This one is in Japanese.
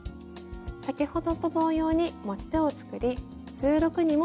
先ほどと同様に持ち手を作り１６にもすじ編み。